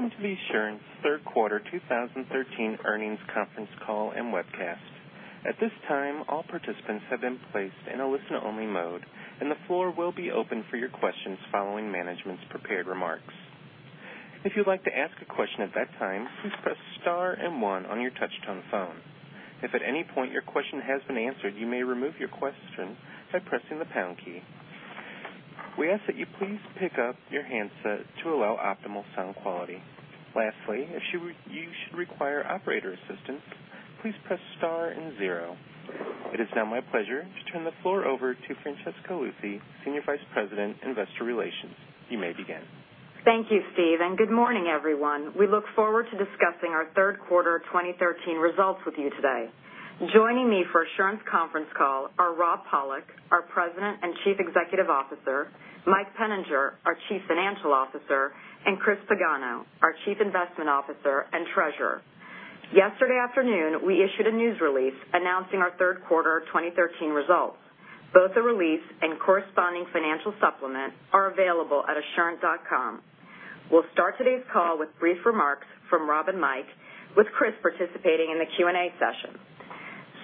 Welcome to the Assurant third quarter 2013 earnings conference call and webcast. At this time, all participants have been placed in a listen-only mode, and the floor will be open for your questions following management's prepared remarks. If you'd like to ask a question at that time, please press star and one on your touch-tone phone. If at any point your question has been answered, you may remove your question by pressing the pound key. We ask that you please pick up your handset to allow optimal sound quality. Lastly, if you should require operator assistance, please press star and zero. It is now my pleasure to turn the floor over to Francesca Luthi, Senior Vice President, Investor Relations. You may begin. Thank you, Steve, and good morning, everyone. We look forward to discussing our third quarter 2013 results with you today. Joining me for Assurant's conference call are Rob Pollock, our President and Chief Executive Officer, Mike Peninger, our Chief Financial Officer, and Chris Pagano, our Chief Investment Officer and Treasurer. Yesterday afternoon, we issued a news release announcing our third quarter 2013 results. Both the release and corresponding financial supplement are available at assurant.com. We'll start today's call with brief remarks from Rob and Mike, with Chris participating in the Q&A session.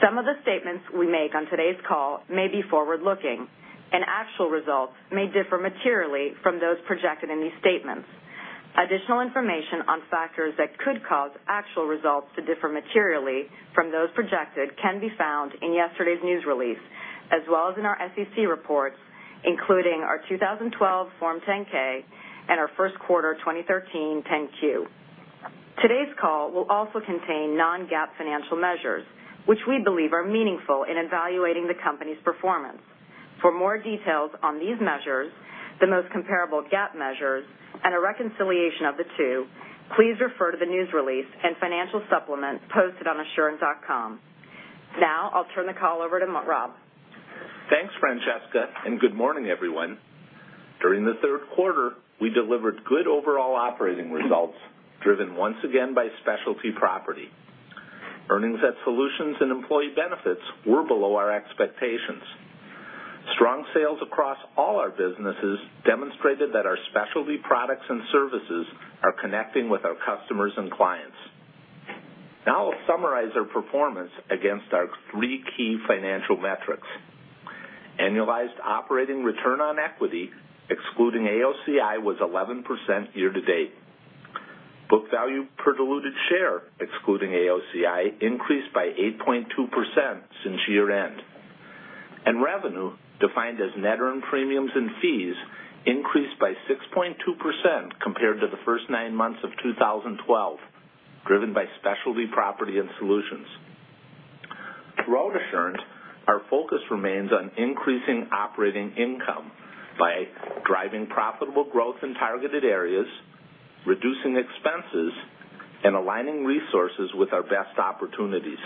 Some of the statements we make on today's call may be forward-looking, and actual results may differ materially from those projected in these statements. Additional information on factors that could cause actual results to differ materially from those projected can be found in yesterday's news release, as well as in our SEC reports, including our 2012 Form 10-K and our first quarter 2013 10-Q. Today's call will also contain non-GAAP financial measures, which we believe are meaningful in evaluating the company's performance. For more details on these measures, the most comparable GAAP measures, and a reconciliation of the two, please refer to the news release and financial supplement posted on assurant.com. Now, I'll turn the call over to Rob. Thanks, Francesca, and good morning, everyone. During the third quarter, we delivered good overall operating results, driven once again by specialty property. Earnings at Solutions and employee benefits were below our expectations. Strong sales across all our businesses demonstrated that our specialty products and services are connecting with our customers and clients. Now I'll summarize our performance against our three key financial metrics. Annualized operating return on equity, excluding AOCI, was 11% year to date. Book value per diluted share, excluding AOCI, increased by 8.2% since year-end. Revenue, defined as net earned premiums and fees, increased by 6.2% compared to the first nine months of 2012, driven by specialty property and solutions. Throughout Assurant, our focus remains on increasing operating income by driving profitable growth in targeted areas, reducing expenses, and aligning resources with our best opportunities.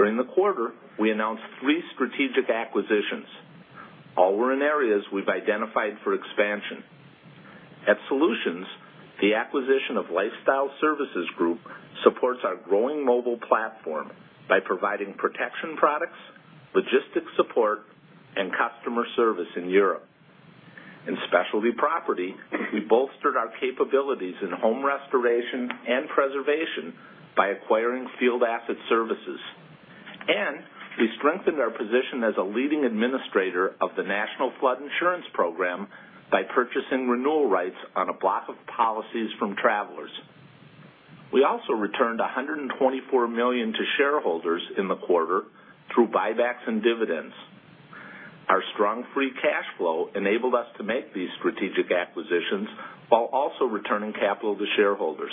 During the quarter, we announced three strategic acquisitions. All were in areas we've identified for expansion. At Solutions, the acquisition of Lifestyle Services Group supports our growing mobile platform by providing protection products, logistics support, and customer service in Europe. In specialty property, we bolstered our capabilities in home restoration and preservation by acquiring Field Asset Services. We strengthened our position as a leading administrator of the National Flood Insurance Program by purchasing renewal rights on a block of policies from Travelers. We also returned $124 million to shareholders in the quarter through buybacks and dividends. Our strong free cash flow enabled us to make these strategic acquisitions while also returning capital to shareholders.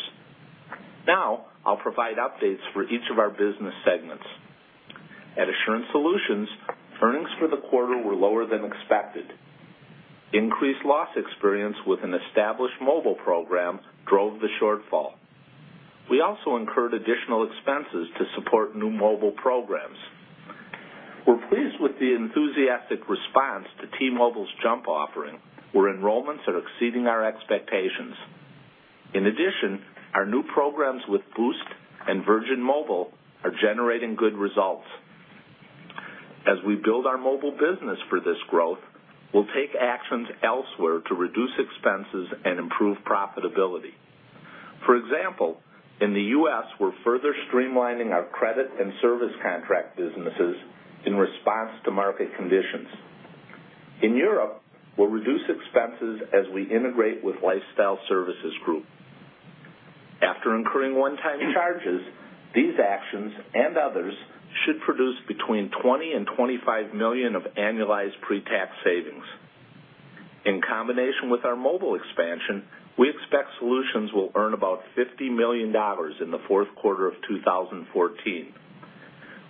I'll provide updates for each of our business segments. At Assurant Solutions, earnings for the quarter were lower than expected. Increased loss experience with an established mobile program drove the shortfall. We also incurred additional expenses to support new mobile programs. We're pleased with the enthusiastic response to T-Mobile's JUMP! offering, where enrollments are exceeding our expectations. In addition, our new programs with Boost and Virgin Mobile are generating good results. As we build our mobile business for this growth, we'll take actions elsewhere to reduce expenses and improve profitability. For example, in the U.S., we're further streamlining our credit and service contract businesses in response to market conditions. In Europe, we'll reduce expenses as we integrate with Lifestyle Services Group. After incurring one-time charges, these actions and others should produce between $20 million-$25 million of annualized pre-tax savings. In combination with our mobile expansion, we expect Solutions will earn about $50 million in the fourth quarter of 2014.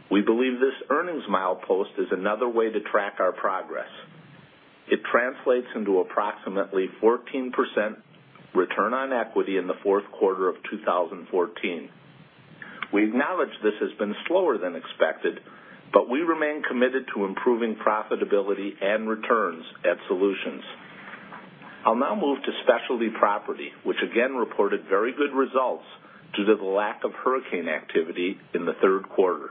We believe this earnings milepost is another way to track our progress. It translates into approximately 14% return on equity in the fourth quarter of 2014. We acknowledge this has been slower than expected, we remain committed to improving profitability and returns at Solutions. I'll now move to specialty property, which again reported very good results due to the lack of hurricane activity in the third quarter.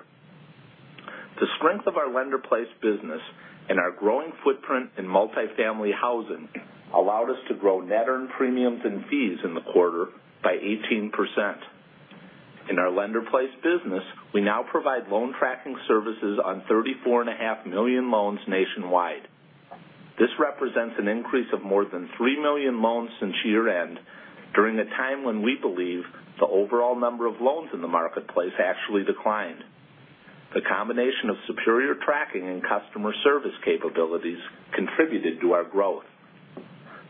The strength of our Lender-Placed business and our growing footprint in multifamily housing allowed us to grow net earned premiums and fees in the quarter by 18%. In our Lender-Placed business, we now provide loan tracking services on 34.5 million loans nationwide. This represents an increase of more than 3 million loans since year-end, during a time when we believe the overall number of loans in the marketplace actually declined. The combination of superior tracking and customer service capabilities contributed to our growth.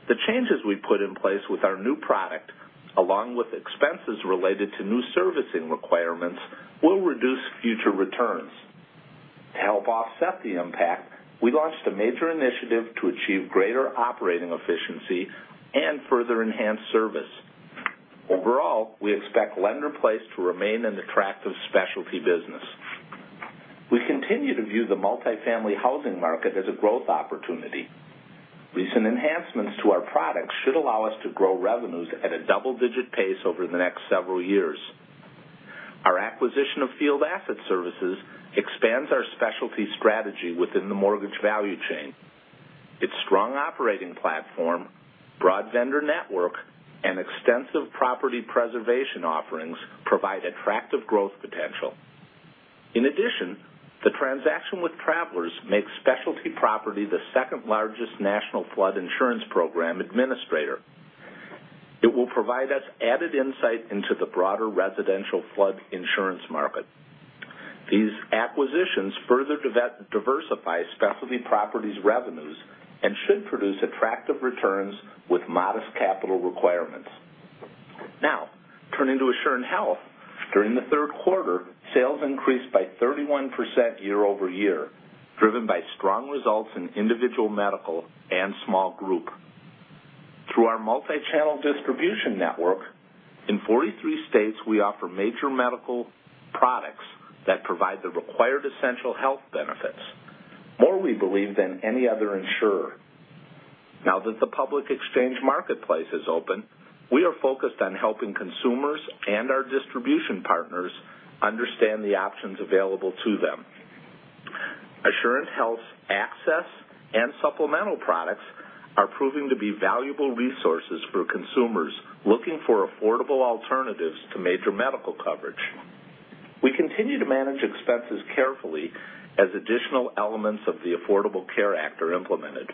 The changes we put in place with our new product, along with expenses related to new servicing requirements, will reduce future returns. To help offset the impact, we launched a major initiative to achieve greater operating efficiency and further enhance service. Overall, we expect Lender-Placed to remain an attractive specialty business. We continue to view the multifamily housing market as a growth opportunity. Recent enhancements to our products should allow us to grow revenues at a double-digit pace over the next several years. Our acquisition of Field Asset Services expands our specialty strategy within the mortgage value chain. Its strong operating platform, broad vendor network, and extensive property preservation offerings provide attractive growth potential. In addition, the transaction with Travelers makes specialty property the second-largest National Flood Insurance Program administrator. It will provide us added insight into the broader residential flood insurance market. These acquisitions further diversify specialty property's revenues and should produce attractive returns with modest capital requirements. Now, turning to Assurant Health, during the third quarter, sales increased by 31% year-over-year, driven by strong results in individual medical and small group. Through our multi-channel distribution network, in 43 states, we offer major medical products that provide the required essential health benefits, more we believe than any other insurer. Now that the public exchange marketplace is open, we are focused on helping consumers and our distribution partners understand the options available to them. Assurant Health's access and supplemental products are proving to be valuable resources for consumers looking for affordable alternatives to major medical coverage. We continue to manage expenses carefully as additional elements of the Affordable Care Act are implemented.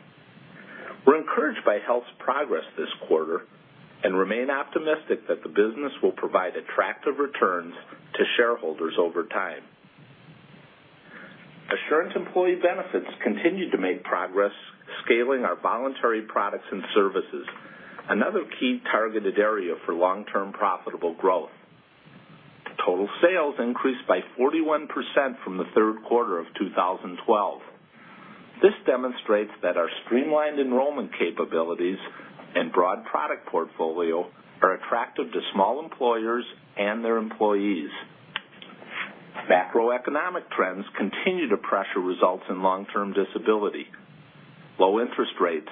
We are encouraged by Health's progress this quarter and remain optimistic that the business will provide attractive returns to shareholders over time. Assurant Employee Benefits continued to make progress scaling our voluntary products and services, another key targeted area for long-term profitable growth. Total sales increased by 41% from the third quarter of 2012. This demonstrates that our streamlined enrollment capabilities and broad product portfolio are attractive to small employers and their employees. Macroeconomic trends continue to pressure results in long-term disability. Low interest rates,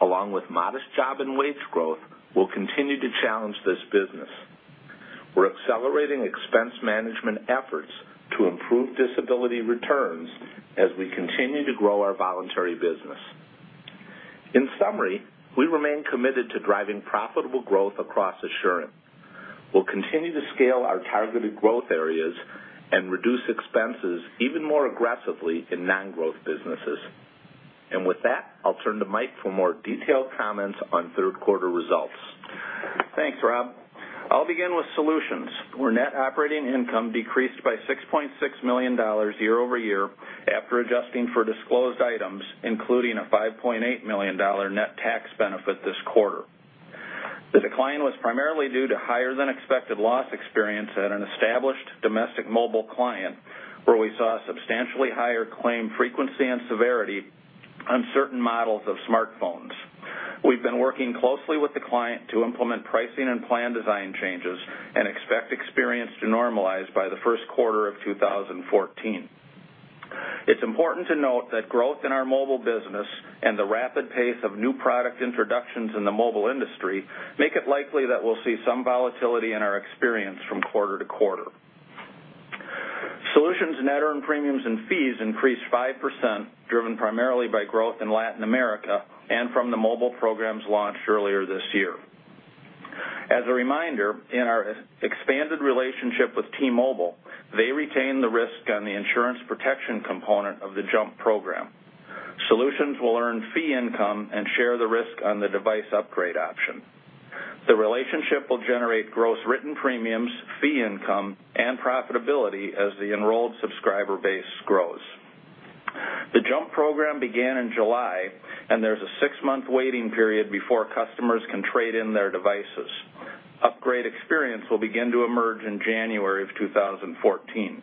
along with modest job and wage growth, will continue to challenge this business. We are accelerating expense management efforts to improve disability returns as we continue to grow our voluntary business. In summary, we remain committed to driving profitable growth across Assurant. We will continue to scale our targeted growth areas and reduce expenses even more aggressively in non-growth businesses. With that, I will turn to Mike for more detailed comments on third quarter results. Thanks, Rob. I will begin with Solutions, where net operating income decreased by $6.6 million year-over-year after adjusting for disclosed items, including a $5.8 million net tax benefit this quarter. The decline was primarily due to higher than expected loss experience at an established domestic mobile client, where we saw substantially higher claim frequency and severity on certain models of smartphones. We have been working closely with the client to implement pricing and plan design changes and expect experience to normalize by the first quarter of 2014. It is important to note that growth in our mobile business and the rapid pace of new product introductions in the mobile industry make it likely that we will see some volatility in our experience from quarter to quarter. Solutions net earned premiums and fees increased 5%, driven primarily by growth in Latin America and from the mobile programs launched earlier this year. As a reminder, in our expanded relationship with T-Mobile, they retain the risk on the insurance protection component of the JUMP! program. Solutions will earn fee income and share the risk on the device upgrade option. The relationship will generate gross written premiums, fee income, and profitability as the enrolled subscriber base grows. The JUMP! program began in July, and there is a six-month waiting period before customers can trade in their devices. Upgrade experience will begin to emerge in January of 2014.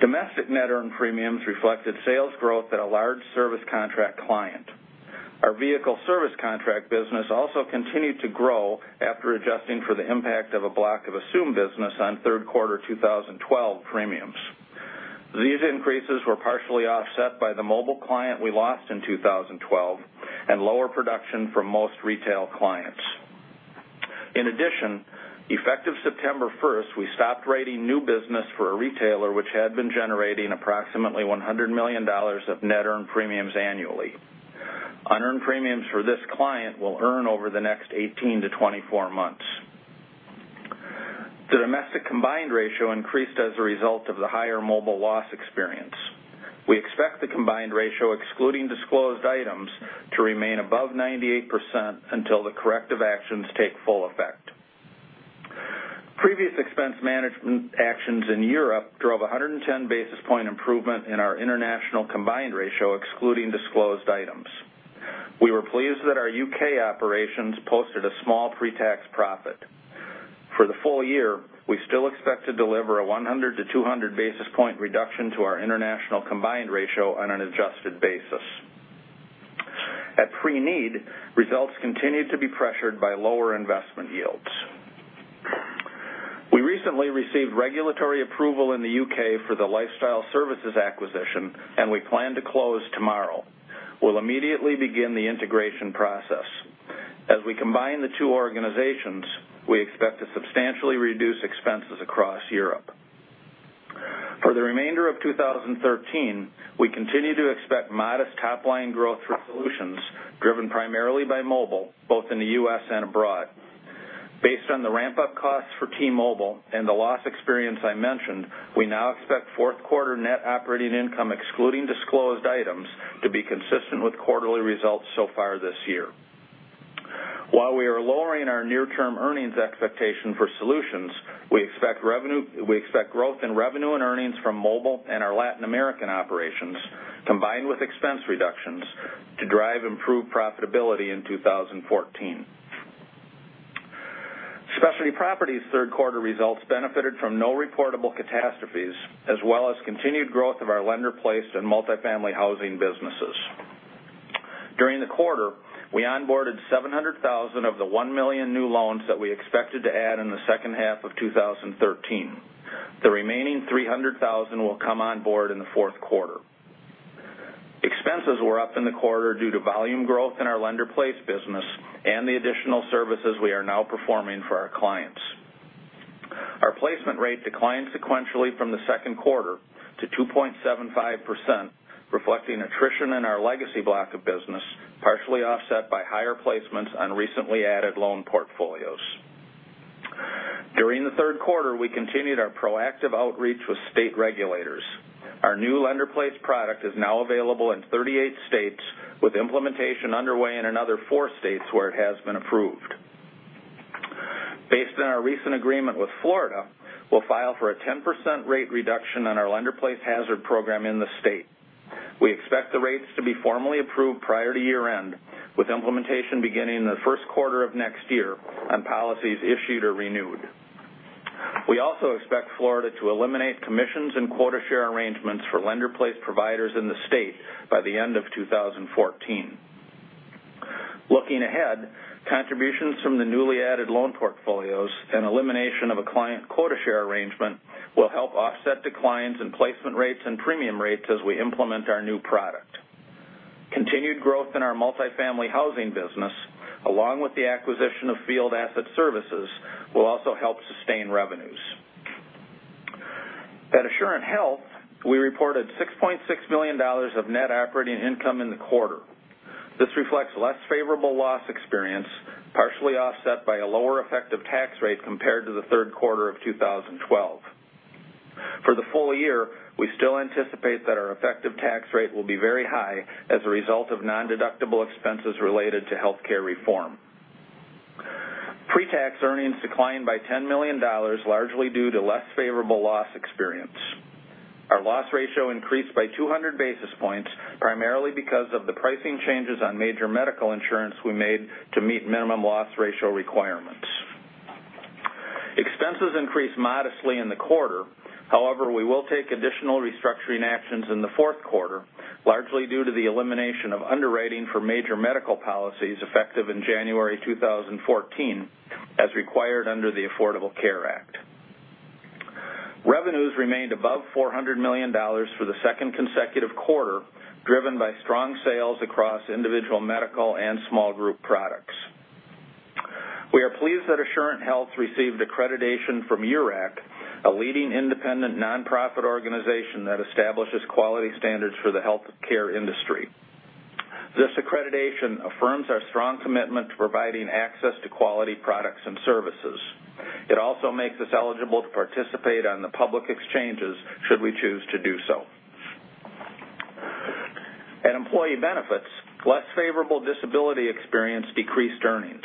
Domestic net earned premiums reflected sales growth at a large service contract client. Our vehicle service contract business also continued to grow after adjusting for the impact of a block of assumed business on third quarter 2012 premiums. These increases were partially offset by the mobile client we lost in 2012 and lower production from most retail clients. In addition, effective September 1st, we stopped writing new business for a retailer which had been generating approximately $100 million of net earned premiums annually. Unearned premiums for this client will earn over the next 18 to 24 months. The domestic combined ratio increased as a result of the higher mobile loss experience. We expect the combined ratio, excluding disclosed items, to remain above 98% until the corrective actions take full effect. Previous expense management actions in Europe drove 110 basis point improvement in our international combined ratio, excluding disclosed items. We were pleased that our U.K. operations posted a small pre-tax profit. For the full year, we still expect to deliver a 100 to 200 basis point reduction to our international combined ratio on an adjusted basis. At pre-need, results continued to be pressured by lower investment yields. We recently received regulatory approval in the U.K. for the Lifestyle Services acquisition, we plan to close tomorrow. We'll immediately begin the integration process. As we combine the two organizations, we expect to substantially reduce expenses across Europe. For the remainder of 2013, we continue to expect modest top-line growth through solutions driven primarily by mobile, both in the U.S. and abroad. Based on the ramp-up costs for T-Mobile and the loss experience I mentioned, we now expect fourth quarter net operating income excluding disclosed items to be consistent with quarterly results so far this year. While we are lowering our near-term earnings expectation for solutions, we expect growth in revenue and earnings from mobile and our Latin American operations, combined with expense reductions, to drive improved profitability in 2014. Specialty Property's third quarter results benefited from no reportable catastrophes as well as continued growth of our Lender-Placed and multifamily housing businesses. During the quarter, we onboarded 700,000 of the 1 million new loans that we expected to add in the second half of 2013. The remaining 300,000 will come on board in the fourth quarter. Expenses were up in the quarter due to volume growth in our Lender-Placed business and the additional services we are now performing for our clients. Our placement rate declined sequentially from the second quarter to 2.75%, reflecting attrition in our legacy block of business, partially offset by higher placements on recently added loan portfolios. During the third quarter, we continued our proactive outreach with state regulators. Our new Lender-Placed product is now available in 38 states, with implementation underway in another four states where it has been approved. Based on our recent agreement with Florida, we'll file for a 10% rate reduction on our Lender-Placed hazard program in the state. We expect the rates to be formally approved prior to year-end, with implementation beginning in the first quarter of next year on policies issued or renewed. We also expect Florida to eliminate commissions and quota share arrangements for Lender-Placed providers in the state by the end of 2014. Looking ahead, contributions from the newly added loan portfolios and elimination of a client quota share arrangement will help offset declines in placement rates and premium rates as we implement our new product. Continued growth in our multifamily housing business, along with the acquisition of Field Asset Services, will also help sustain revenues. At Assurant Health, we reported $6.6 million of net operating income in the quarter. This reflects less favorable loss experience, partially offset by a lower effective tax rate compared to the third quarter of 2012. For the full year, we still anticipate that our effective tax rate will be very high as a result of nondeductible expenses related to healthcare reform. Pre-tax earnings declined by $10 million, largely due to less favorable loss experience. Our loss ratio increased by 200 basis points, primarily because of the pricing changes on major medical insurance we made to meet minimum loss ratio requirements. Expenses increased modestly in the quarter. However, we will take additional restructuring actions in the fourth quarter, largely due to the elimination of underwriting for major medical policies effective in January 2014, as required under the Affordable Care Act. Revenues remained above $400 million for the second consecutive quarter, driven by strong sales across individual medical and small group products. We are pleased that Assurant Health received accreditation from URAC, a leading independent nonprofit organization that establishes quality standards for the healthcare industry. This accreditation affirms our strong commitment to providing access to quality products and services. It also makes us eligible to participate on the public exchanges should we choose to do so. At Employee Benefits, less favorable disability experience decreased earnings.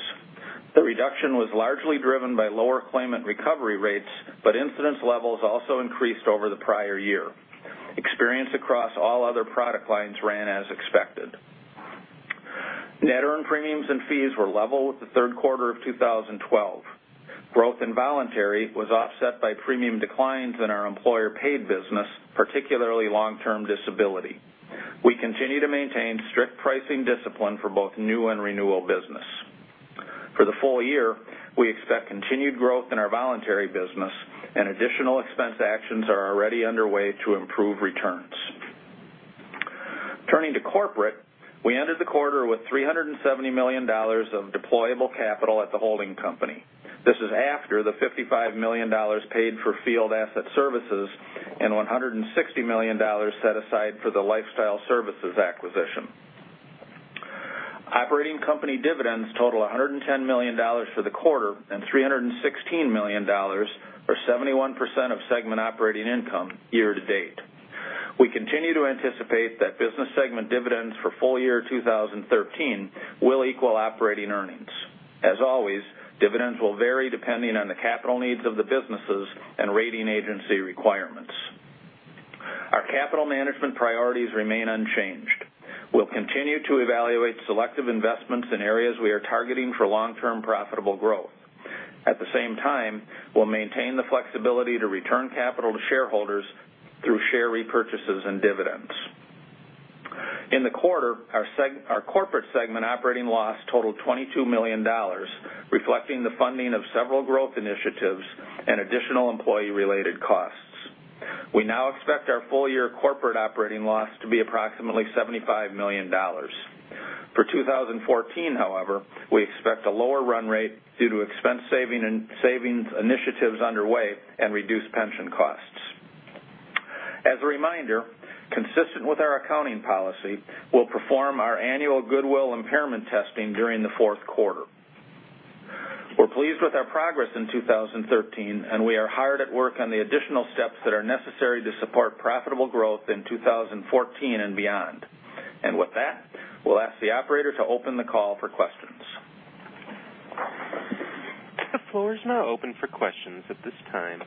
The reduction was largely driven by lower claimant recovery rates, but incidence levels also increased over the prior year. Experience across all other product lines ran as expected. Net earned premiums and fees were level with the third quarter of 2012. Growth in voluntary was offset by premium declines in our employer-paid business, particularly long-term disability. We continue to maintain strict pricing discipline for both new and renewal business. For the full year, we expect continued growth in our voluntary business. Additional expense actions are already underway to improve returns. Turning to corporate, we ended the quarter with $370 million of deployable capital at the holding company. This is after the $55 million paid for Field Asset Services and $160 million set aside for the Lifestyle Services acquisition. Operating company dividends total $110 million for the quarter and $316 million, or 71% of segment operating income year to date. We continue to anticipate that business segment dividends for full year 2013 will equal operating earnings. As always, dividends will vary depending on the capital needs of the businesses and rating agency requirements. Our capital management priorities remain unchanged. We'll continue to evaluate selective investments in areas we are targeting for long-term profitable growth. At the same time, we'll maintain the flexibility to return capital to shareholders through share repurchases and dividends. In the quarter, our corporate segment operating loss totaled $22 million, reflecting the funding of several growth initiatives and additional employee-related costs. We now expect our full-year corporate operating loss to be approximately $75 million. For 2014, however, we expect a lower run rate due to expense savings initiatives underway and reduced pension costs. As a reminder, consistent with our accounting policy, we'll perform our annual goodwill impairment testing during the fourth quarter. We're pleased with our progress in 2013. We are hard at work on the additional steps that are necessary to support profitable growth in 2014 and beyond. With that, we'll ask the operator to open the call for questions. The floor is now open for questions at this time.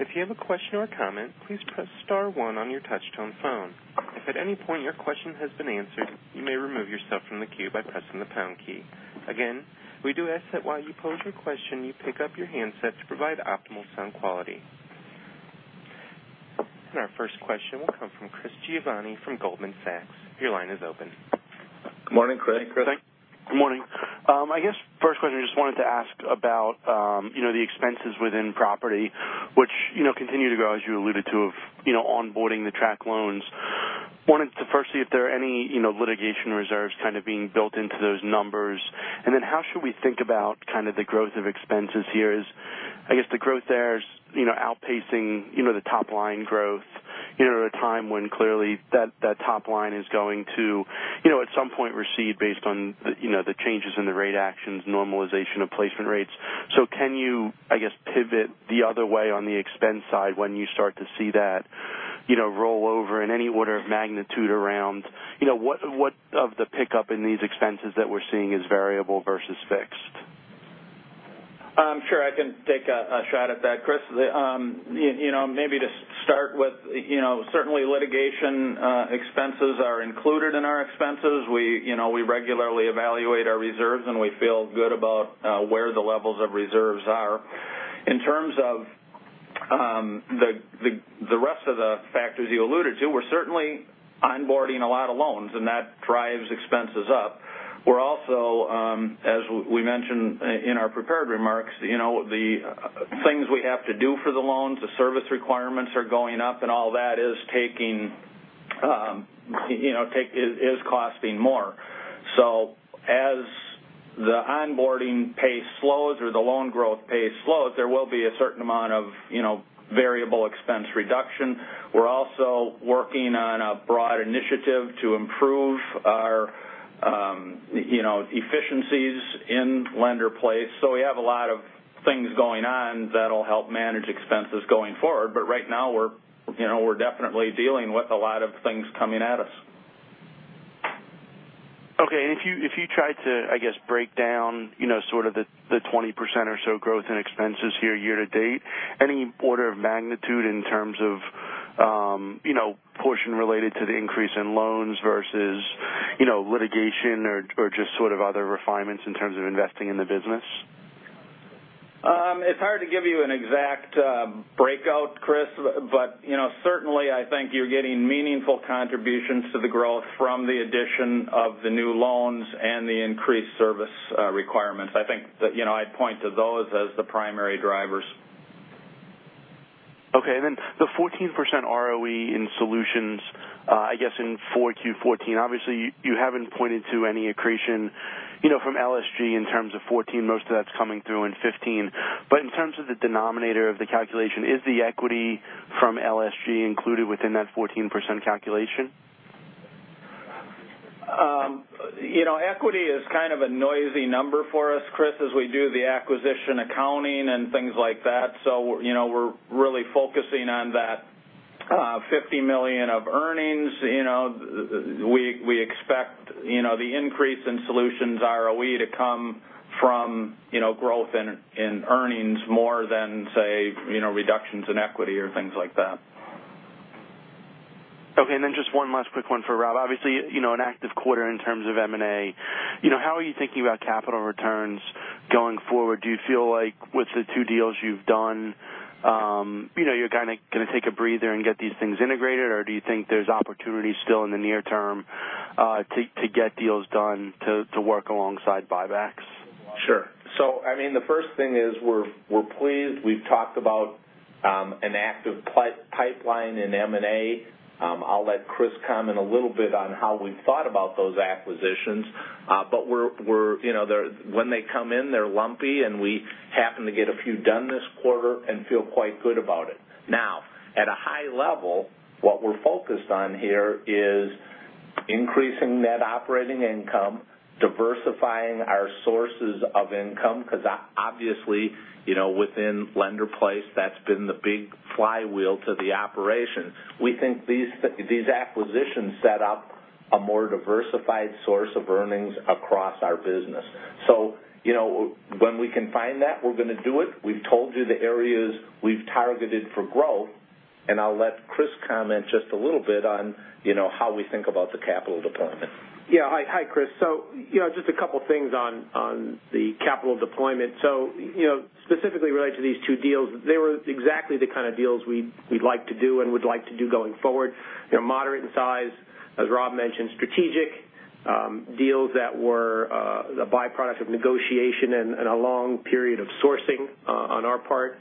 If you have a question or comment, please press star one on your touch-tone phone. If at any point your question has been answered, you may remove yourself from the queue by pressing the pound key. Again, we do ask that while you pose your question, you pick up your handset to provide optimal sound quality. Our first question will come from Christopher Giovanni from Goldman Sachs. Your line is open. Morning, Chris. Good morning. I guess first question, I just wanted to ask about the expenses within property, which continue to grow as you alluded to of onboarding the track loans. Wanted to firstly, if there are any litigation reserves kind of being built into those numbers, then how should we think about kind of the growth of expenses here is, I guess the growth there is outpacing the top-line growth at a time when clearly that top line is going to at some point recede based on the changes in the rate actions, normalization of placement rates. Can you, I guess, pivot the other way on the expense side when you start to see that roll over in any order of magnitude around what of the pickup in these expenses that we're seeing is variable versus fixed? Sure. I can take a shot at that, Chris. Maybe to start with certainly litigation expenses are included in our expenses. We regularly evaluate our reserves. We feel good about where the levels of reserves are. In terms of the rest of the factors you alluded to, we're certainly onboarding a lot of loans. That drives expenses up. We're also, as we mentioned in our prepared remarks, the things we have to do for the loans, the service requirements are going up. All that is costing more. As the onboarding pace slows or the loan growth pace slows, there will be a certain amount of variable expense reduction. We're also working on a broad initiative to improve our efficiencies in Lender-Placed. We have a lot of things going on that'll help manage expenses going forward. Right now we're definitely dealing with a lot of things coming at us. Okay. If you try to, I guess, break down sort of the 20% or so growth in expenses here year to date, any order of magnitude in terms of portion related to the increase in loans versus litigation or just sort of other refinements in terms of investing in the business? It's hard to give you an exact breakout, Chris. Certainly, I think you're getting meaningful contributions to the growth from the addition of the new loans and the increased service requirements. I think that I'd point to those as the primary drivers. Okay, the 14% ROE in Solutions, I guess, in 4Q14, obviously you haven't pointed to any accretion from LSG in terms of 2014. Most of that's coming through in 2015. In terms of the denominator of the calculation, is the equity from LSG included within that 14% calculation? Equity is kind of a noisy number for us, Chris, as we do the acquisition accounting and things like that. We're really focusing on that $50 million of earnings. We expect the increase in Solutions ROE to come from growth in earnings more than, say, reductions in equity or things like that. Just one last quick one for Rob. Obviously, an active quarter in terms of M&A. How are you thinking about capital returns going forward? Do you feel like with the two deals you've done you're kind of going to take a breather and get these things integrated? Or do you think there's opportunities still in the near term to get deals done to work alongside buybacks? Sure. The first thing is we're pleased. We've talked about an active pipeline in M&A. I'll let Chris comment a little bit on how we thought about those acquisitions. But when they come in, they're lumpy, and we happen to get a few done this quarter and feel quite good about it. Now, at a high level, what we're focused on here is increasing net operating income, diversifying our sources of income, because obviously, within Lender-Placed, that's been the big flywheel to the operation. We think these acquisitions set up a more diversified source of earnings across our business. When we can find that, we're going to do it. We've told you the areas we've targeted for growth, and I'll let Chris comment just a little bit on how we think about the capital deployment. Hi, Chris. Just a couple things on the capital deployment. Specifically related to these two deals, they were exactly the kind of deals we'd like to do and would like to do going forward. They're moderate in size, as Rob mentioned, strategic deals that were the byproduct of negotiation and a long period of sourcing on our part,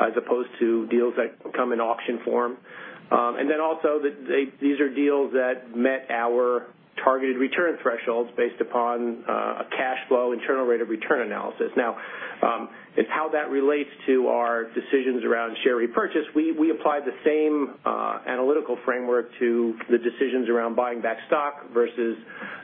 as opposed to deals that come in auction form. These are deals that met our targeted return thresholds based upon a cash flow internal rate of return analysis. How that relates to our decisions around share repurchase, we apply the same analytical framework to the decisions around buying back stock versus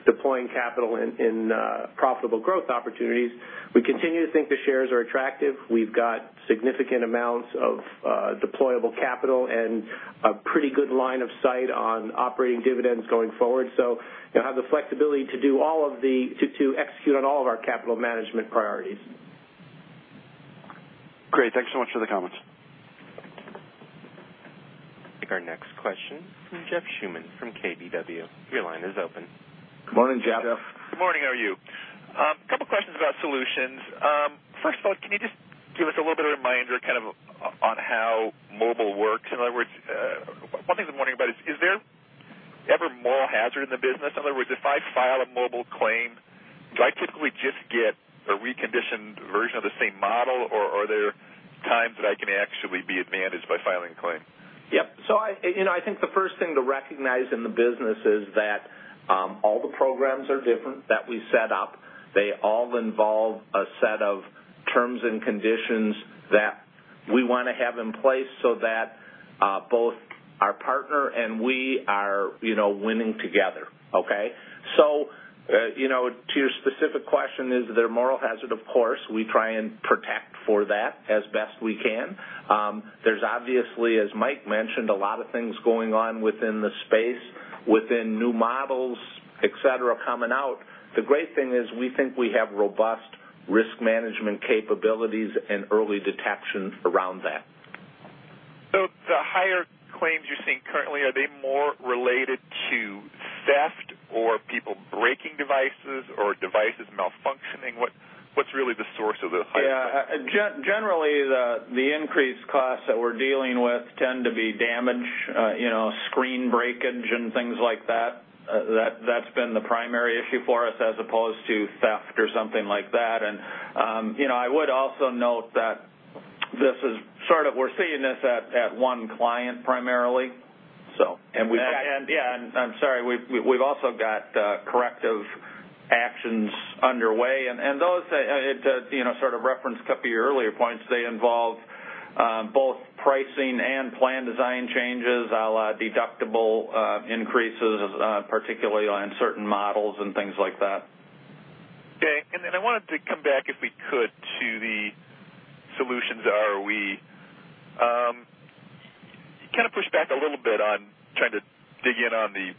deploying capital in profitable growth opportunities. We continue to think the shares are attractive. We've got significant amounts of deployable capital and a pretty good line of sight on operating dividends going forward. You'll have the flexibility to execute on all of our capital management priorities. Great. Thanks so much for the comments. Take our next question from Jeff Schumann from KBW. Your line is open. Morning, Jeff. Jeff. Good morning. How are you? Couple questions about solutions. First of all, can you just give us a little bit of a reminder on how mobile works? In other words, one thing I'm wondering about is there ever moral hazard in the business? In other words, if I file a mobile claim, do I typically just get a reconditioned version of the same model, or are there times that I can actually be advantaged by filing a claim? Yep. I think the first thing to recognize in the business is that all the programs are different that we set up. They all involve a set of terms and conditions that we want to have in place so that both our partner and we are winning together. Okay? To your specific question, is there moral hazard? Of course. We try and protect for that as best we can. There's obviously, as Mike mentioned, a lot of things going on within the space, within new models, et cetera, coming out. The great thing is we think we have robust risk management capabilities and early detection around that. The higher claims you're seeing currently, are they more related to theft or people breaking devices or devices malfunctioning? What's really the source of the highest claims? Yeah. Generally, the increased costs that we're dealing with tend to be damage, screen breakage and things like that. That's been the primary issue for us as opposed to theft or something like that. I would also note that we're seeing this at one client primarily. Yeah. I'm sorry. We've also got corrective actions underway, and those sort of reference 2 of your earlier points. They involve both pricing and plan design changes, deductible increases particularly on certain models and things like that. Okay. I wanted to come back, if we could, to the Solutions ROE. Kind of push back a little bit on trying to dig in on the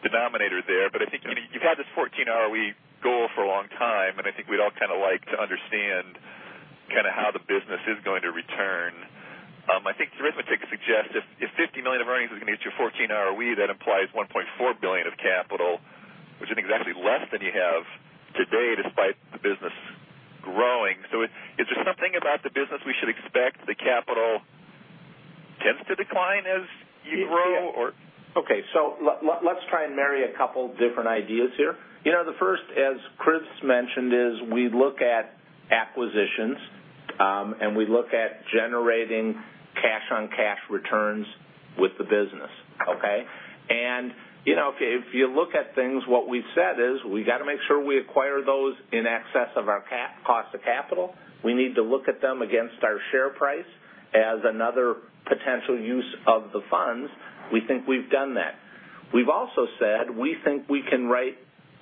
denominator there. I think you've had this 14% ROE goal for a long time, and I think we'd all like to understand how the business is going to return. I think the arithmetic suggests if $50 million of earnings is going to get you 14% ROE, that implies $1.4 billion of capital, which I think is actually less than you have today despite the business growing. Is there something about the business we should expect the capital tends to decline as you grow? Or? Okay. Let's try and marry 2 different ideas here. The first, as Chris mentioned, is we look at acquisitions, and we look at generating cash-on-cash returns with the business. Okay? If you look at things, what we've said is we got to make sure we acquire those in excess of our cost of capital. We need to look at them against our share price as another potential use of the funds. We think we've done that. We've also said we think we can write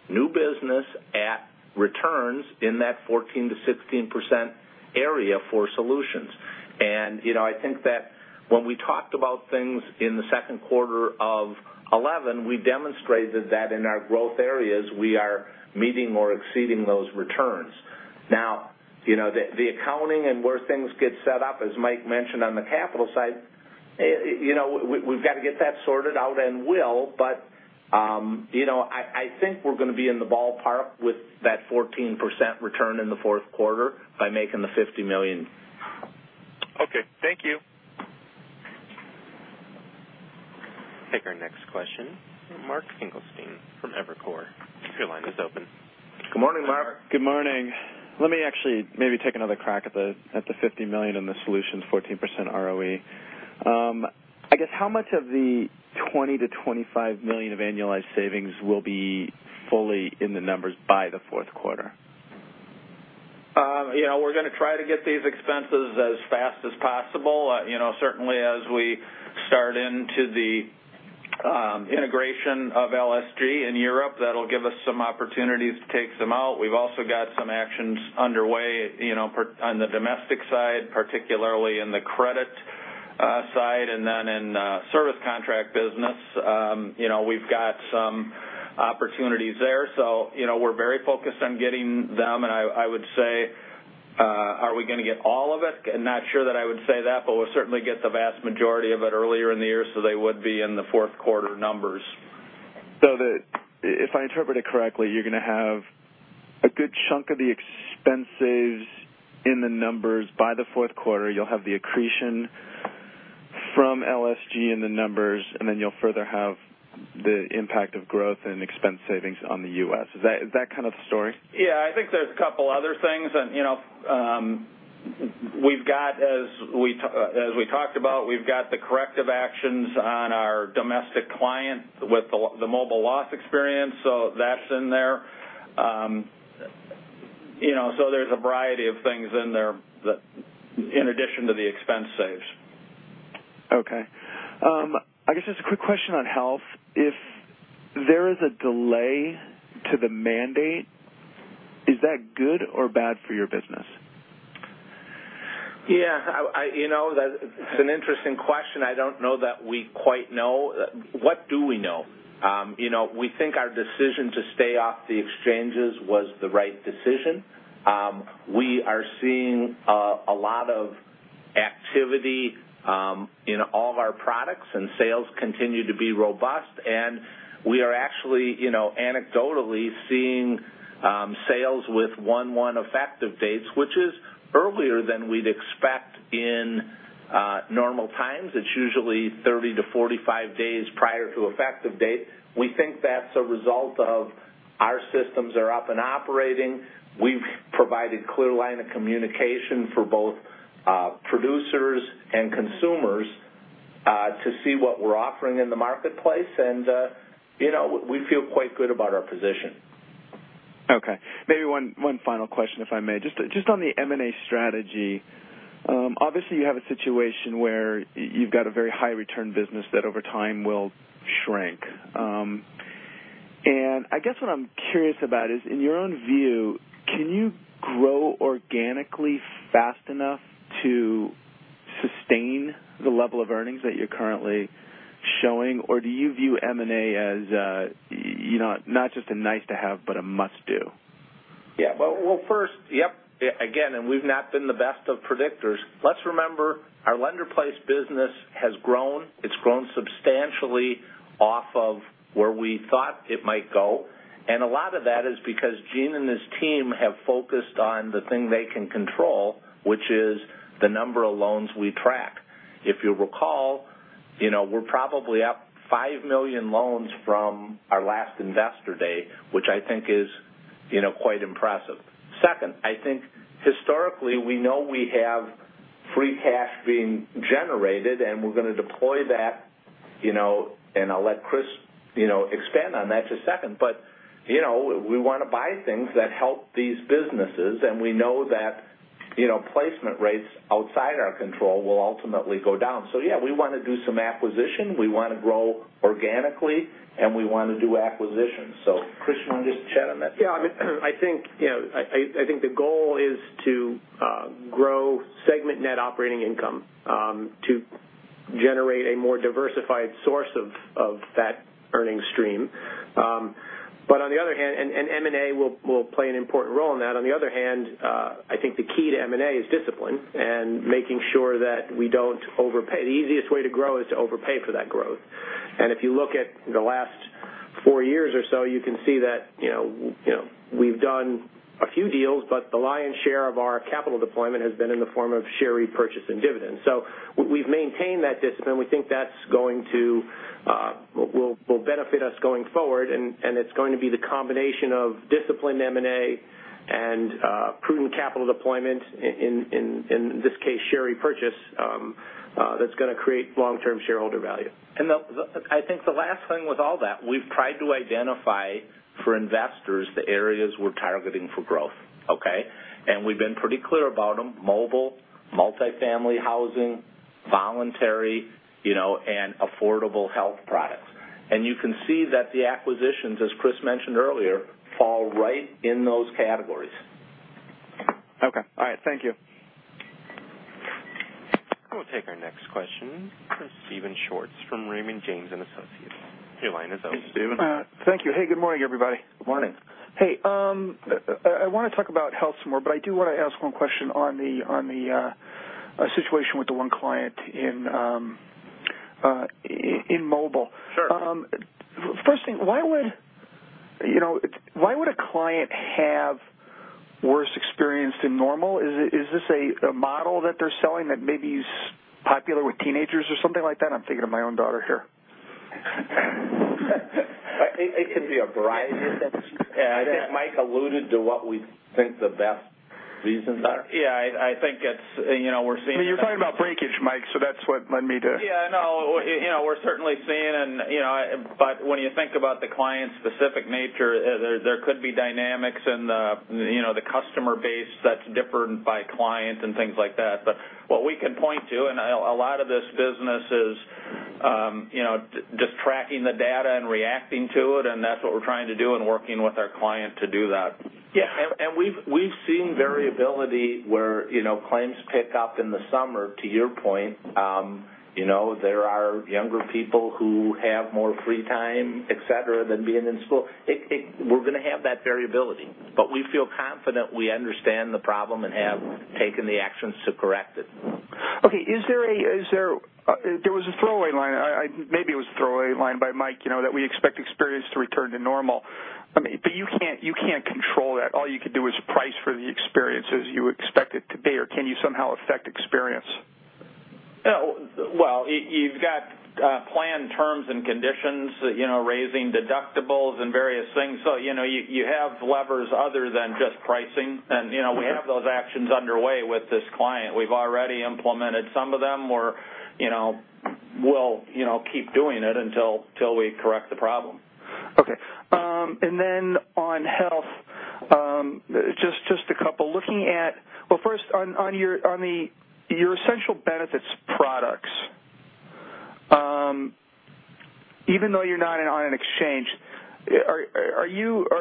new business at returns in that 14%-16% area for Solutions. I think that when we talked about things in the second quarter of 2011, we demonstrated that in our growth areas, we are meeting or exceeding those returns. Now, the accounting and where things get set up, as Mike mentioned on the capital side, we've got to get that sorted out and will. I think we're going to be in the ballpark with that 14% return in the fourth quarter by making the $50 million. Okay. Thank you. Take our next question, Mark Finkelstein from Evercore. Your line is open. Good morning, Mark. Good morning. Let me actually maybe take another crack at the $50 million in the Solutions 14% ROE. I guess, how much of the $20 million-$25 million of annualized savings will be fully in the numbers by the fourth quarter? We're going to try to get these expenses as fast as possible. Certainly as we start into the integration of LSG in Europe, that'll give us some opportunities to take some out. We've also got some actions underway on the domestic side, particularly in the credit side, in service contract business. We've got some opportunities there. We're very focused on getting them, and I would say, are we going to get all of it? Not sure that I would say that, we'll certainly get the vast majority of it earlier in the year, they would be in the fourth quarter numbers. If I interpret it correctly, you're going to have a good chunk of the expense saves in the numbers by the fourth quarter. You'll have the accretion from LSG in the numbers, you'll further have the impact of growth and expense savings on the U.S. Is that kind of the story? Yeah. I think there's a couple other things. As we talked about, we've got the corrective actions on our domestic client with the mobile loss experience. That's in there. There's a variety of things in there in addition to the expense saves. Okay. I guess just a quick question on health. If there is a delay to the mandate, is that good or bad for your business? Yeah. It's an interesting question. I don't know that we quite know. What do we know? We think our decision to stay off the exchanges was the right decision. We are seeing a lot of activity in all of our products, and sales continue to be robust, and we are actually anecdotally seeing sales with 1/1 effective dates, which is earlier than we'd expect in normal times. It's usually 30-45 days prior to effective date. We think that's a result of our systems are up and operating. We've provided clear line of communication for both producers and consumers to see what we're offering in the marketplace, and we feel quite good about our position. Okay. Maybe one final question, if I may. Just on the M&A strategy. Obviously, you have a situation where you've got a very high return business that over time will shrink. I guess what I'm curious about is, in your own view, can you grow organically fast enough to sustain the level of earnings that you're currently showing, or do you view M&A as not just a nice to have, but a must-do? Yeah. Well, first, yep. Again, we've not been the best of predictors. Let's remember, our Lender-Placed business has grown. It's grown substantially off of where we thought it might go, and a lot of that is because Gene and his team have focused on the thing they can control, which is the number of loans we track. If you recall, we're probably up 5 million loans from our last investor date, which I think is quite impressive. Second, I think historically, we know we have free cash being generated, and we're going to deploy that, and I'll let Chris expand on that in just a second, but we want to buy things that help these businesses, and we know that placement rates outside our control will ultimately go down. Yeah, we want to do some acquisition, we want to grow organically, and we want to do acquisitions. Chris, you want to just chat on that? Yeah. I think the goal is to grow segment net operating income to generate a more diversified source of that earning stream. M&A will play an important role in that. On the other hand, I think the key to M&A is discipline and making sure that we don't overpay. The easiest way to grow is to overpay for that growth. If you look at the last four years or so, you can see that we've done a few deals, but the lion's share of our capital deployment has been in the form of share repurchase and dividends. We've maintained that discipline. We think that will benefit us going forward, and it's going to be the combination of disciplined M&A and prudent capital deployment, in this case, share repurchase, that's going to create long-term shareholder value. I think the last thing with all that, we've tried to identify for investors the areas we're targeting for growth, okay? We've been pretty clear about them. Mobile, multi-family housing, voluntary, and affordable health products. You can see that the acquisitions, as Chris mentioned earlier, fall right in those categories. Okay. All right. Thank you. I will take our next question from Steven Schwartz from Raymond James & Associates. Your line is open, Steven. Thank you. Hey, good morning, everybody. Good morning. Hey, I want to talk about health some more. I do want to ask one question on the situation with the one client in mobile. Sure. First thing, why would a client have worse experience than normal? Is this a model that they're selling that maybe is popular with teenagers or something like that? I'm thinking of my own daughter here. It could be a variety of things. I think Mike alluded to what we think the best reasons are. Yeah, we're seeing. You're talking about breakage, Mike. That's what led me to. Yeah, no. We're certainly seeing. When you think about the client's specific nature, there could be dynamics in the customer base that's different by client and things like that. What we can point to, and a lot of this business is just tracking the data and reacting to it, and that's what we're trying to do and working with our client to do that. Yeah. We've seen variability where claims pick up in the summer, to your point. There are younger people who have more free time, et cetera, than being in school. We're going to have that variability, but we feel confident we understand the problem and have taken the actions to correct it. Okay. There was a throwaway line, maybe it was a throwaway line by Mike, that we expect experience to return to normal. You can't control that. All you could do is price for the experience as you expect it to be, or can you somehow affect experience? Well, you've got planned terms and conditions, raising deductibles and various things. You have levers other than just pricing. We have those actions underway with this client. We've already implemented some of them. We'll keep doing it until we correct the problem. Okay. On health, just a couple. Well, first on your Essential Health Benefits products, even though you're not on an exchange, are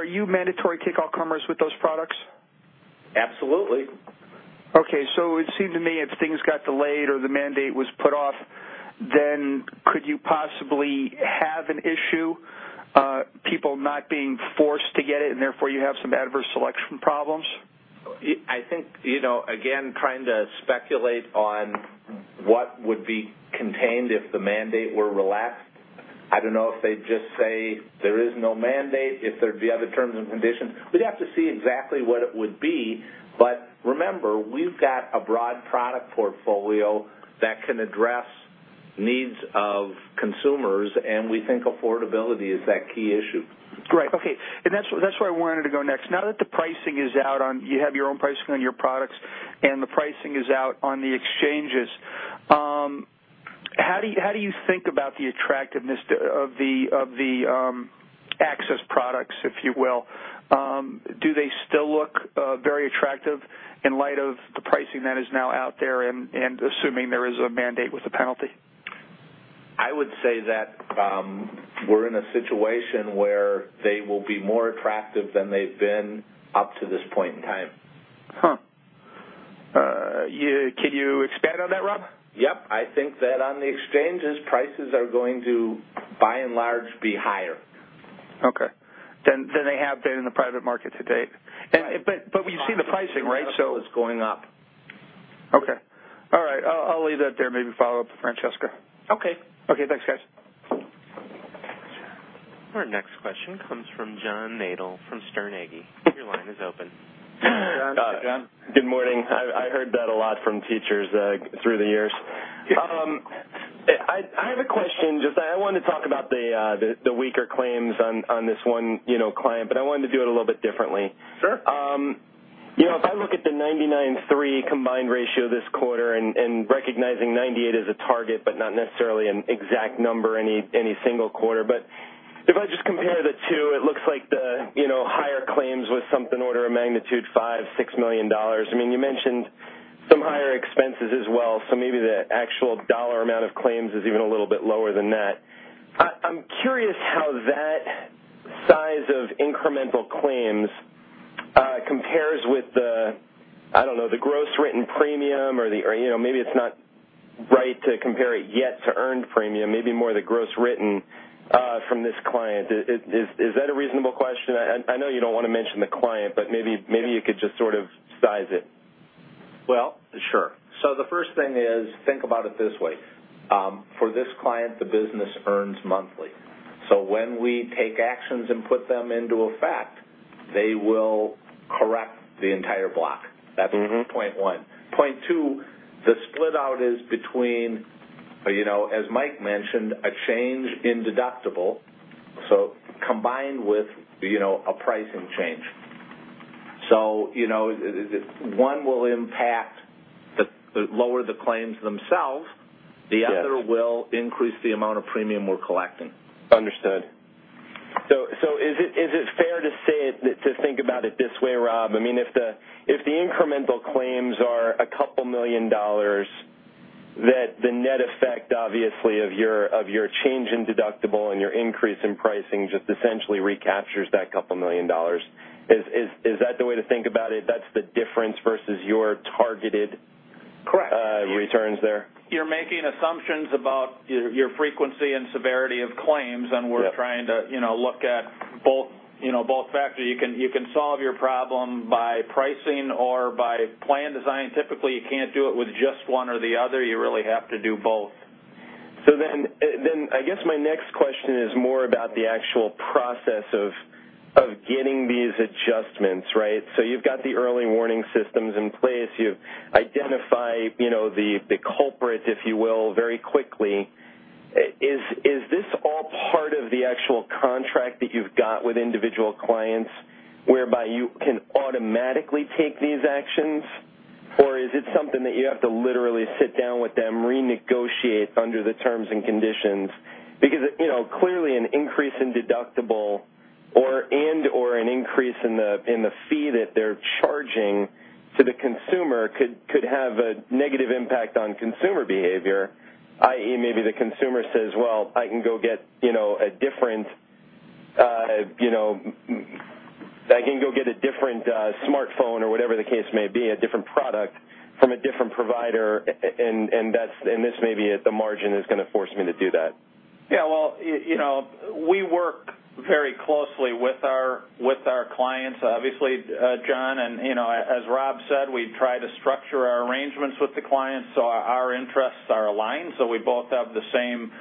you mandatory takeout commerce with those products? Absolutely. Okay. It would seem to me if things got delayed or the mandate was put off, then could you possibly have an issue, people not being forced to get it and therefore you have some adverse selection problems? I think, again, trying to speculate on what would be contained if the mandate were relaxed. I don't know if they'd just say there is no mandate, if there'd be other terms and conditions. We'd have to see exactly what it would be. Remember, we've got a broad product portfolio that can address needs of consumers, and we think affordability is that key issue. Great. Okay. That's where I wanted to go next. Now that the pricing is out on, you have your own pricing on your products, and the pricing is out on the exchanges, how do you think about the attractiveness of the access products, if you will? Do they still look very attractive in light of the pricing that is now out there and assuming there is a mandate with a penalty? I would say that we're in a situation where they will be more attractive than they've been up to this point in time. Huh. Can you expand on that, Rob? Yep. I think that on the exchanges, prices are going to, by and large, be higher. Okay. Than they have been in the private market to date. Right. We see the pricing, right? It's going up. Okay. All right. I'll leave that there. Maybe follow up with Francesca. Okay. Okay. Thanks, guys. Our next question comes from John Nadel from Sterne, Agee & Leach. Your line is open. John. John. Good morning. I heard that a lot from teachers through the years. I have a question. Just, I wanted to talk about the weaker claims on this one client, but I wanted to do it a little bit differently. Sure. If I look at the 99.3 combined ratio this quarter, and recognizing 98 as a target, but not necessarily an exact number any single quarter. If I just compare the two, it looks like the higher claims was something order of magnitude $5 million-$6 million. You mentioned some higher expenses as well, so maybe the actual dollar amount of claims is even a little bit lower than that. I'm curious how that size of incremental claims compares with the, I don't know, the gross written premium or maybe it's not right to compare it yet to earned premium, maybe more the gross written, from this client. Is that a reasonable question? I know you don't want to mention the client, but maybe you could just sort of size it. Well, sure. The first thing is, think about it this way. For this client, the business earns monthly. When we take actions and put them into effect, they will correct the entire block. That's point one. Point two, the split out is between, as Mike mentioned, a change in deductible, so combined with a pricing change. One will impact lower the claims themselves. Yes the other will increase the amount of premium we're collecting. Understood. Is it fair to say, to think about it this way, Rob? If the incremental claims are a couple million dollars, that the net effect, obviously, of your change in deductible and your increase in pricing just essentially recaptures that couple million dollars. Is that the way to think about it? That's the difference versus your targeted- Correct returns there? You're making assumptions about your frequency and severity of claims, we're trying to look at both factors. You can solve your problem by pricing or by plan design. Typically, you can't do it with just one or the other. You really have to do both. I guess my next question is more about the actual process of getting these adjustments, right? You've got the early warning systems in place. You've identified the culprit, if you will, very quickly. Is this all part of the actual contract that you've got with individual clients whereby you can automatically take these actions? Or is it something that you have to literally sit down with them, renegotiate under the terms and conditions? Because clearly an increase in deductible and/or an increase in the fee that they're charging to the consumer could have a negative impact on consumer behavior, i.e., maybe the consumer says, "Well, I can go get a different smartphone," or whatever the case may be, a different product from a different provider, and this maybe at the margin is going to force me to do that. Yeah. Well, we work very closely with our clients. Obviously, John, and as Rob said, we try to structure our arrangements with the clients so our interests are aligned, so we both have the same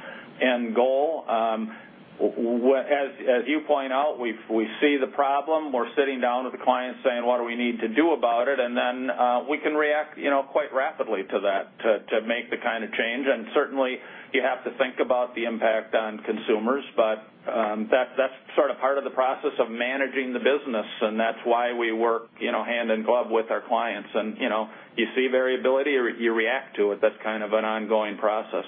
end goal. As you point out, we see the problem. We're sitting down with the client saying, "What do we need to do about it?" Then we can react quite rapidly to that to make the kind of change. Certainly, you have to think about the impact on consumers. That's sort of part of the process of managing the business, and that's why we work hand in glove with our clients. You see variability, you react to it. That's kind of an ongoing process.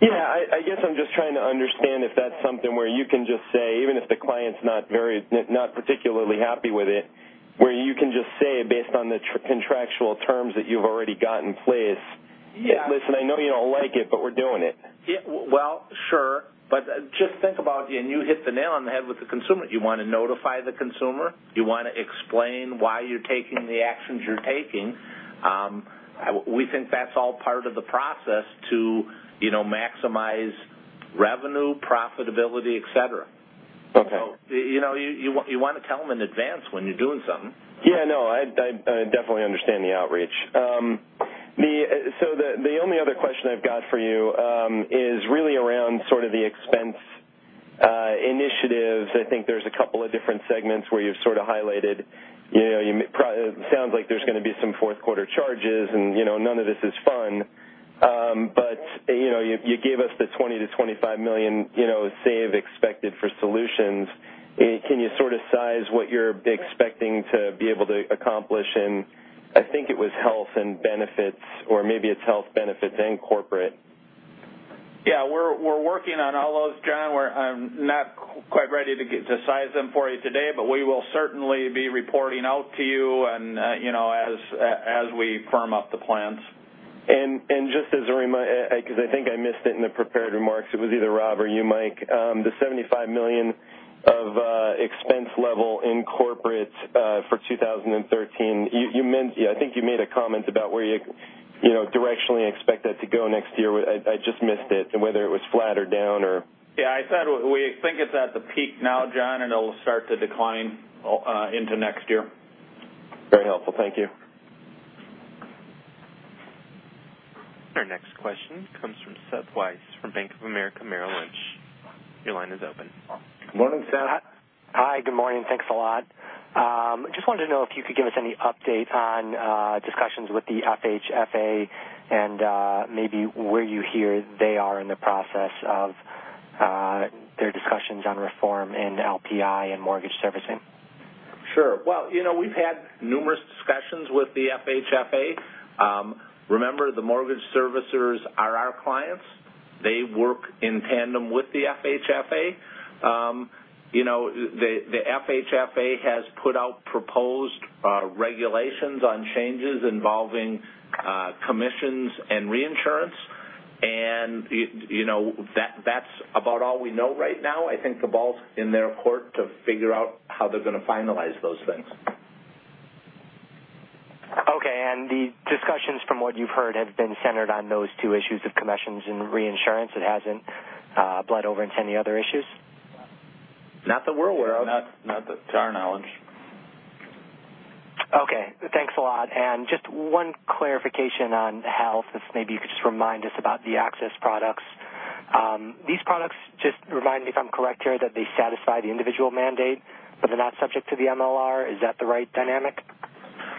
Yeah. I guess I'm just trying to understand if that's something where you can just say, even if the client's not particularly happy with it, where you can just say based on the contractual terms that you've already got in place. Yeah Listen, I know you don't like it, but we're doing it. Sure. Just think about, you hit the nail on the head with the consumer. You want to notify the consumer. You want to explain why you're taking the actions you're taking. We think that's all part of the process to maximize revenue, profitability, et cetera. Okay. You want to tell them in advance when you're doing something. Yeah. No, I definitely understand the outreach. The only other question I've got for you is really around sort of the expense initiatives. I think there's a couple of different segments where you've sort of highlighted. It sounds like there's going to be some fourth quarter charges, none of this is fun. You gave us the $20 million to $25 million save expected for solutions. Can you sort of size what you're expecting to be able to accomplish in, I think it was health and benefits, or maybe it's health, benefits, and corporate? Yeah. We're working on all those, John. I'm not quite ready to size them for you today, we will certainly be reporting out to you as we firm up the plans. Just as a reminder, because I think I missed it in the prepared remarks, it was either Rob or you, Mike, the $75 million of expense level in corporate for 2013. I think you made a comment about where you directionally expect that to go next year. I just missed it, whether it was flat or down or? Yeah, we think it's at the peak now, John, and it'll start to decline into next year. Very helpful. Thank you. Our next question comes from Seth Weiss from Bank of America Merrill Lynch. Your line is open. Morning, Seth. Hi. Good morning. Thanks a lot. Just wanted to know if you could give us any update on discussions with the FHFA and maybe where you hear they are in the process of their discussions on reform and LPI and mortgage servicing. Sure. Well, we've had numerous discussions with the FHFA. Remember, the mortgage servicers are our clients. They work in tandem with the FHFA. The FHFA has put out proposed regulations on changes involving commissions and reinsurance. That's about all we know right now. I think the ball's in their court to figure out how they're going to finalize those things. Okay. The discussions from what you've heard have been centered on those two issues of commissions and reinsurance. It hasn't bled over into any other issues? Not that we're aware of. Not to our knowledge. Okay. Thanks a lot. Just one clarification on health. If maybe you could just remind us about the access products. These products, just remind me if I'm correct here, that they satisfy the individual mandate, but they're not subject to the MLR. Is that the right dynamic?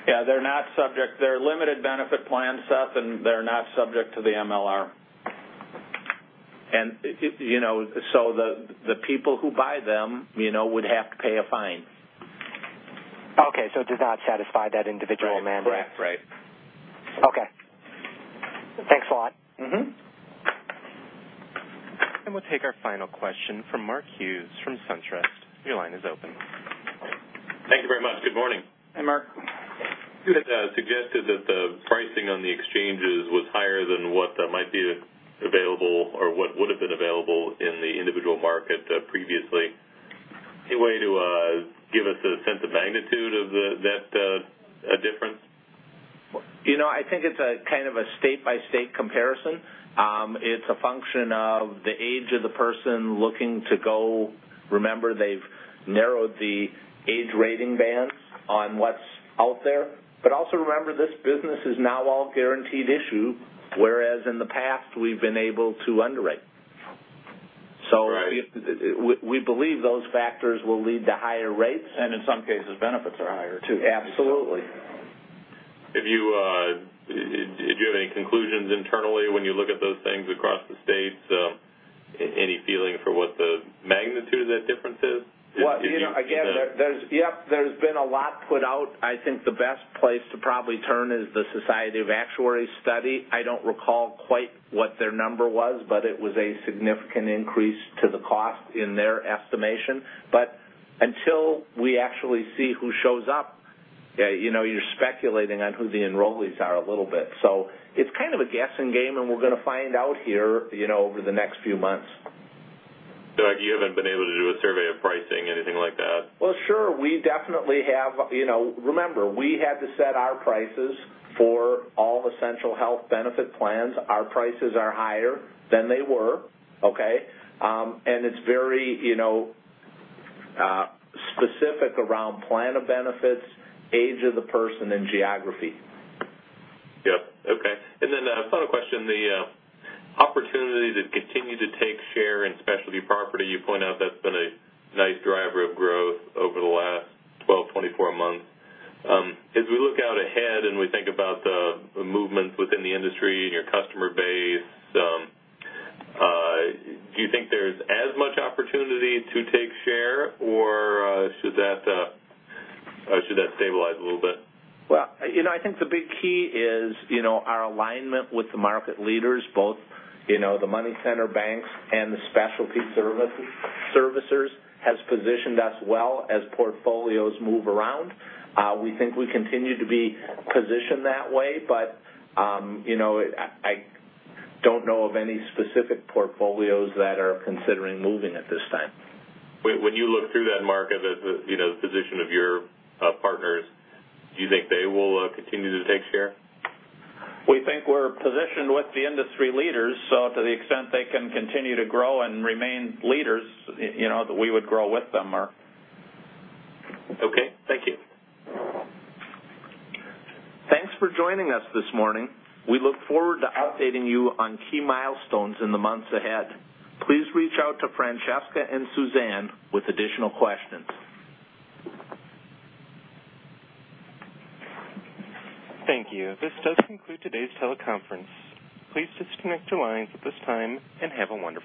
Yeah, they're limited benefit plans, Seth, they're not subject to the MLR. The people who buy them would have to pay a fine. Okay, it does not satisfy that individual mandate. Correct. Right. Okay. Thanks a lot. We'll take our final question from Mark Hughes from SunTrust. Your line is open. Thank you very much. Good morning. Hey, Mark. You had suggested that the pricing on the exchanges was higher than what might be available or what would've been available in the individual market previously. Any way to give us a sense of magnitude of that difference? I think it's kind of a state-by-state comparison. It's a function of the age of the person looking to go. Remember, they've narrowed the age rating bands. On what's out there. Also remember, this business is now all guaranteed issue, whereas in the past, we've been able to underwrite. Right. We believe those factors will lead to higher rates. In some cases, benefits are higher too. Absolutely. Do you have any conclusions internally when you look at those things across the states? Any feeling for what the magnitude of that difference is? Well, again, yep, there's been a lot put out. I think the best place to probably turn is the Society of Actuaries study. I don't recall quite what their number was, but it was a significant increase to the cost in their estimation. Until we actually see who shows up, you're speculating on who the enrollees are a little bit. It's kind of a guessing game, and we're going to find out here over the next few months. Bob, you haven't been able to do a survey of pricing, anything like that? Well, sure. We definitely have. Remember, we had to set our prices for all essential health benefit plans. Our prices are higher than they were. Okay? It's very specific around plan of benefits, age of the person, and geography. Yep. Okay. Final question, the opportunity to continue to take share in specialty property, you point out that's been a nice driver of growth over the last 12, 24 months. We look out ahead and we think about the movements within the industry and your customer base, do you think there's as much opportunity to take share, or should that stabilize a little bit? Well, I think the big key is our alignment with the market leaders, both the money center banks and the specialty servicers, has positioned us well as portfolios move around. We think we continue to be positioned that way. I don't know of any specific portfolios that are considering moving at this time. When you look through that, Mark, the position of your partners, do you think they will continue to take share? We think we're positioned with the industry leaders. To the extent they can continue to grow and remain leaders, that we would grow with them, Mark. Okay. Thank you. Thanks for joining us this morning. We look forward to updating you on key milestones in the months ahead. Please reach out to Francesca and Suzanne with additional questions. Thank you. This does conclude today's teleconference. Please disconnect your lines at this time, and have a wonderful day.